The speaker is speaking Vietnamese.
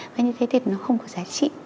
và như thế thì nó không có giá trị